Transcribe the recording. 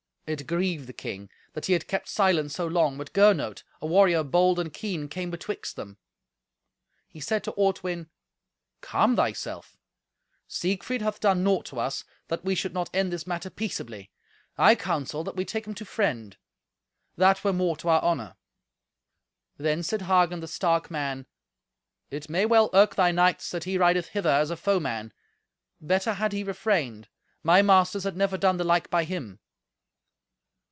It grieved the king that he had kept silence so long, but Gernot, a warrior bold and keen, came betwixt them. He said to Ortwin, "Calm thyself. Siegfried hath done naught to us, that we should not end this matter peaceably. I counsel that we take him to friend. That were more to our honour." Then said Hagen the stark man, "It may well irk thy knights that he rideth hither as a foeman. Better had he refrained. My masters had never done the like by him."